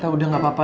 udah gak apa apa